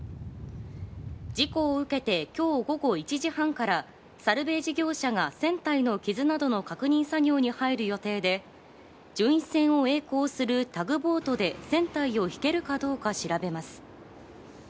事故を受けて今日午後１時半からサルベージ業者が船体の傷などの確認作業に入る予定で巡視船をえい航するタグボートで船体を引けるかどうか調べます。